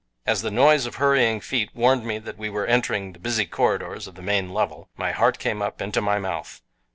As the noise of hurrying feet warned me that we were entering the busy corridors of the main level, my heart came up into my mouth.